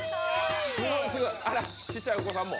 あらっ、ちっちゃいお子さんも。